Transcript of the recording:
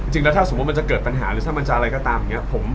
จริงแล้วถ้าสมมุติมันจะเกิดปัญหาหรือถ้ามันจะอะไรก็ตามอย่างนี้